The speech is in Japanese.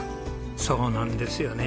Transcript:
そうなんですよねえ。